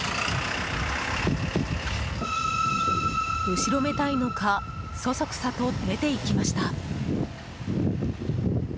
後ろめたいのかそそくさと出て行きました。